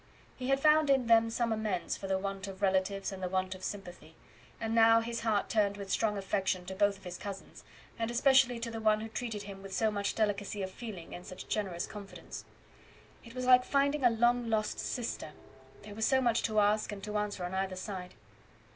He had found in them some amends for the want of relatives and the want of sympathy; and now his heart turned with strong affection to both of his cousins, and especially to the one who treated him with so much delicacy of feeling and such generous confidence. It was like finding a long lost sister; there was so much to ask and to answer on either side.